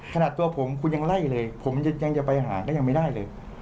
ขนาดตัวผมคุณยังไล่เลยผมยังจะไปหาก็ยังไม่ได้เลย